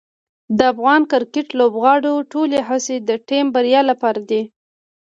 د افغان کرکټ لوبغاړو ټولې هڅې د ټیم بریا لپاره دي.